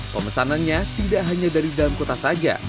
pemesanannya tidak hanya dari dalam kota saja